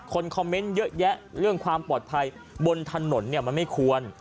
คอมเมนต์เยอะแยะเรื่องความปลอดภัยบนถนนเนี่ยมันไม่ควร